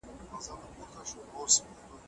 ښه لارښود تل خپل شاګرد ته ارزښتناکه مشوره ورکوي.